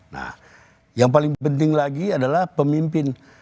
nah yang paling penting lagi adalah pemimpin